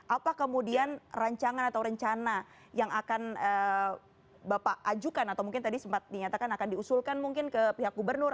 apa kemudian rancangan atau rencana yang akan bapak ajukan atau mungkin tadi sempat dinyatakan akan diusulkan mungkin ke pihak gubernur